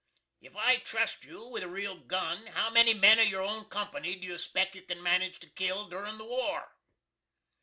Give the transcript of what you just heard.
If I trust you with a real gun, how many men of your own company do you speck you can manage to kill durin the war?